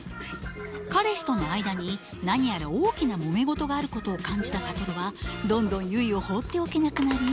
彼氏との間に何やら大きなもめ事があることを感じた諭はどんどん結を放っておけなくなり。